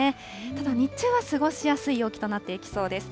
ただ、日中は過ごしやすい陽気となっていきそうです。